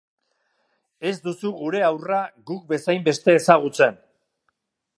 Ez duzu gure haurra guk bezainbeste ezagutzen.